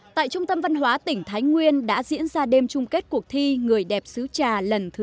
ở tại trung tâm văn hóa tỉnh thái nguyên đã diễn ra đêm chung kết cuộc thi người đẹp sứ trà lần thứ